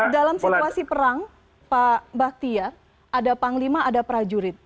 dalam situasi perang pak bahtia ada panglima ada prajurit